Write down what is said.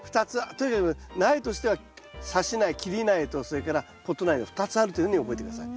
とにかく苗としてはさし苗切り苗とそれからポット苗の２つあるというふうに覚えて下さい。